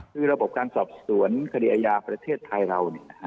คือระบบการสอบสวนคดีอาญาประเทศไทยเรา